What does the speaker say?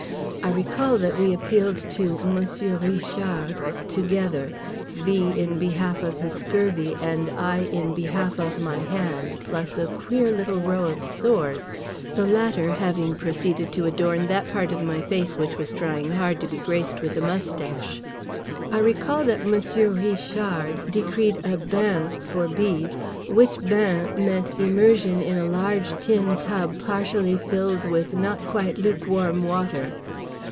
I recall that we appealed to Monsieur Ree chard together, B. in behalf of his scurvy and I in behalf of my hand plus a queer little row of sores, the latter having proceeded to adorn that part of my face which was trying hard to be graced with a moustache. I recall that Monsieur Ree chard decreed a bain for B., which bain meant immersion in a large tin tub partially filled with not quite luke warm water.